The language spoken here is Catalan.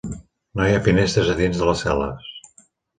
No hi ha finestres a dins de les cel·les.